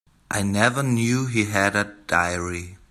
I never knew he had a diary.